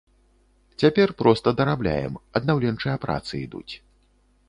Цяпер проста дарабляем, аднаўленчыя працы ідуць.